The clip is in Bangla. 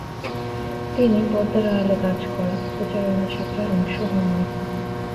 তিনি পর্দার আড়ালে কাজ করা প্রচারণা শাখার অংশ হন নি।